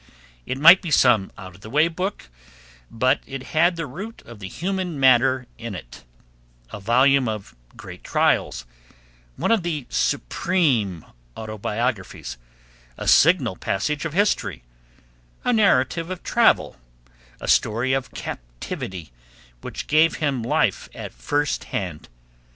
It might be some out of the way book, but it had the root of the human matter in it: a volume of great trials; one of the supreme autobiographies; a signal passage of history, a narrative of travel, a story of captivity, which gave him life at first hand.